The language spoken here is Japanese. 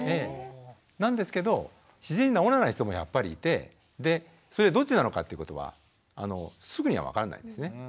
なんですけど自然に治らない人もやっぱりいてでそれどっちなのかっていうことはすぐには分からないんですね。